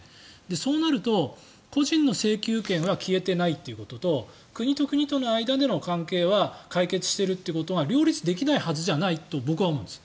そうなると、個人の請求権は消えていないということと国と国との間での関係は解決しているということは両立できないはずじゃないと僕は思うんです。